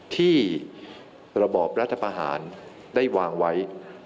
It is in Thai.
ที่ระบอบรัฐประหารได้วางไว้